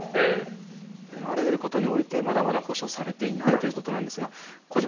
あらゆることにおいてまだまだ保障されていないということなんですが小島